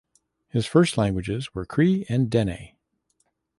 His first languages were Cree and Dene.